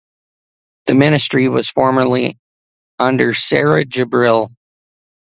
This ministry was formally under Sarah Jibril.